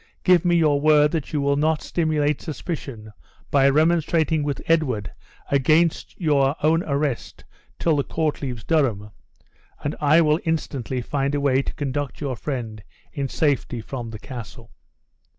Give me your word that you will not stimulate suspicion by remonstrating with Edward against your own arrest till the court leaves Durham, and I will instantly find a way to conduct your friend in safety from the castle."